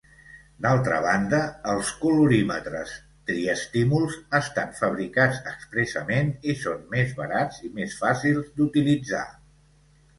D'altra banda, els colorímetres triestímuls estan fabricats expressament i són més barats i més fàcils d'utilitzar.